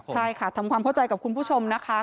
ใช่ค่ะทำความเข้าใจกับคุณผู้ชมนะคะ